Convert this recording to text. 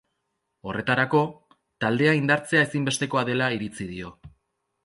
Horretarako, taldea indartzea ezinbestekoa dela iritzi dio.